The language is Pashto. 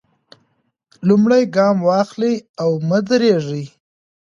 لومړی ګام واخلئ او مه درېږئ.